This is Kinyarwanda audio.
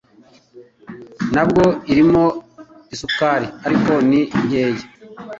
Nubwo irimo isukari ariko ni nkeya